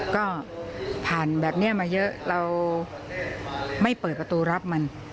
ก็ผ่านแบบนี้มาเยอะเราไม่เปิดประตูรับมัน